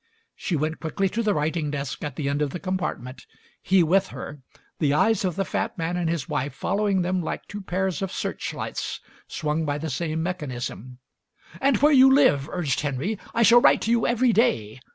She went quickly to the writing desk at the end of the compartment, he with her, the eyes of the fat man and his wife following them like two pairs of searchlights swung by the same mechanism. "And where you live," urged Henry. "I shall write to you every day."